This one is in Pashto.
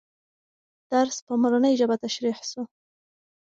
درس په مورنۍ ژبه تشریح سو.